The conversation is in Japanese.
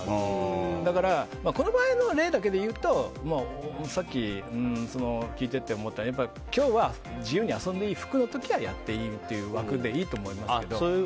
だからこの場合の例だけで言うと聞いてて思ったのは今日は自由に遊んでいい服だからやっていいよという枠の中ならいいと思います。